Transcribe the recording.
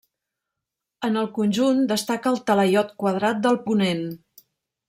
En el conjunt destaca el talaiot quadrat del ponent.